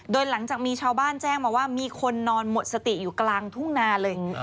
โดยหลังจากมีชาวบ้านแจ้งมาว่ามีคนนอนหมดสติอยู่กลางทุ่งนาเลย